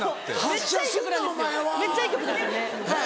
めっちゃいい曲ですよね。